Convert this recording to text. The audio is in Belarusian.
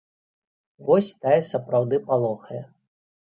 Вось тая сапраўды палохае.